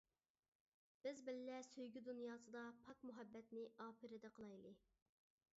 بىز بىللە سۆيگۈ دۇنياسىدا پاك مۇھەببەتنى ئاپىرىدە قىلايلى.